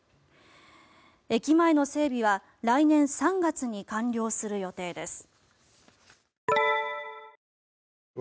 駅前の整備は来年３月に完了する予定です。